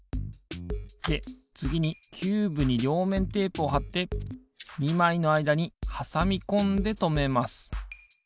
でつぎにキューブにりょうめんテープをはって２まいのあいだにはさみこんでとめます。